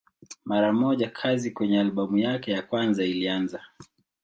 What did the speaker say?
Mara moja kazi kwenye albamu yake ya kwanza ilianza.